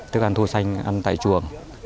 thức ăn thô xanh ăn tại chuồng